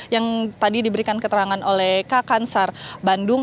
yang tadi diberikan keterangan oleh kk kansar bandung